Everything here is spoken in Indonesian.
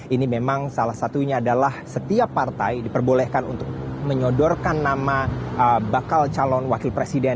ini memang salah satunya adalah setiap partai diperbolehkan untuk menyodorkan nama bakal calon wakil presiden